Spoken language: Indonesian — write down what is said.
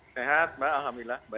sehat mbak alhamdulillah